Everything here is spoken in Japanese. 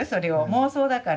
妄想だから。